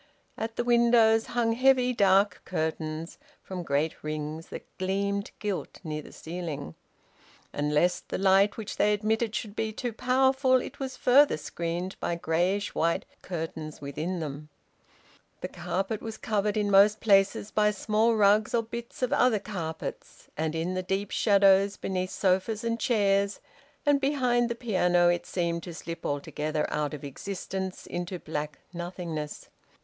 At the windows hung heavy dark curtains from great rings that gleamed gilt near the ceiling; and lest the light which they admitted should be too powerful it was further screened by greyish white curtains within them. The carpet was covered in most places by small rugs or bits of other carpets, and in the deep shadows beneath sofas and chairs and behind the piano it seemed to slip altogether out of existence into black nothingness.